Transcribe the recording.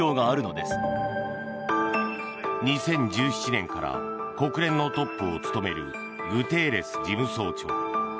２０１７年から国連のトップを務めるグテーレス事務総長。